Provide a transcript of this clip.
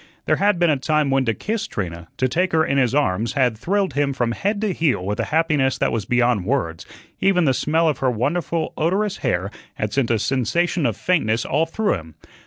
There had been a time when to kiss Trina, to take her in his arms, had thrilled him from head to heel with a happiness that was beyond words; even the smell of her wonderful odorous hair had sent a sensation of faintness all through him.